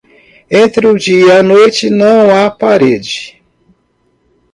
Entre o dia e a noite, não há parede.